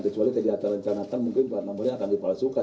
kecuali kegiatan rencanakan mungkin plat nomornya akan dipalsukan